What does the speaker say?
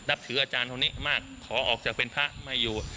ถืออาจารย์คนนี้มากขอออกจากเป็นพระไม่อยู่